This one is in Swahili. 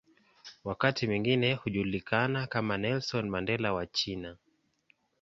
Wakati mwingine hujulikana kama "Nelson Mandela wa China".